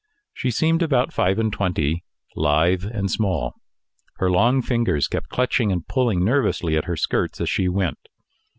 She seemed about five and twenty, lithe and small. Her long fingers kept clutching and pulling nervously at her skirts as she went.